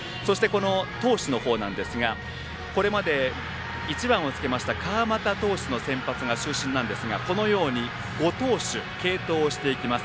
投手の方ですがこれまで１番をつけました川又投手の投球が中心なんですが、このように５投手継投していきます。